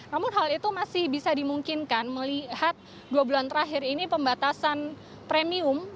namun hal itu masih bisa dimungkinkan melihat dua bulan terakhir ini pembatasan premium